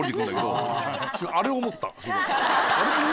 あれを思った。